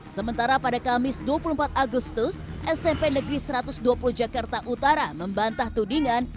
sementara pada kamis dua puluh empat agustus smp negeri satu ratus dua puluh jakarta utara membantah tudingan